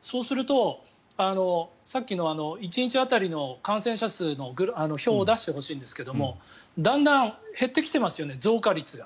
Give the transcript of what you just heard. そうすると、さっきの１日当たりの感染者数の表を出してほしいんですがだんだん減ってきていますよね増加率が。